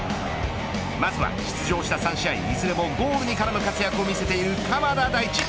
まずは出場した３試合いずれもゴールに絡む活躍を見せている鎌田大地。